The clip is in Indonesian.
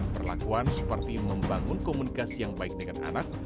perlakuan seperti membangun komunikasi yang baik dengan anak